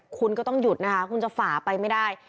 คุณก็ต้องหยุดนะคะคุณจะฝ่าไปไม่ได้